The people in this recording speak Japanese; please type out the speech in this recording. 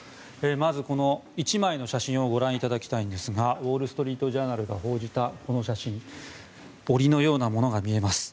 まず１枚の写真をご覧いただきたいんですがウォール・ストリート・ジャーナルが報じたこの写真、檻のようなものが見えます。